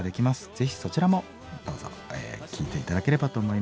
ぜひそちらもどうぞ聴いて頂ければと思います。